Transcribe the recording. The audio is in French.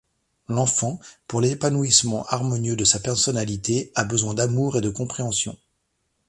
L'enfant, pour l'épanouissement harmonieux de sa personnalité, a besoin d'amour et de compréhension.